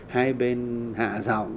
hai bên hạ dòng